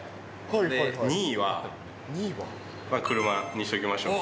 ２位は車にしておきましょうか。